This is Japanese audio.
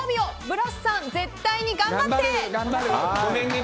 ブラスさん絶対に頑張って！